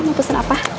mau pesen apa